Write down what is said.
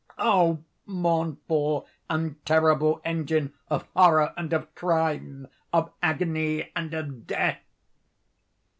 —oh, mournful and terrible engine of Horror and of Crime—of Agony and of Death!